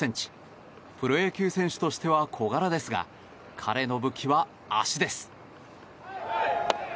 プロ野球選手としては小柄ですが彼の武器は足です。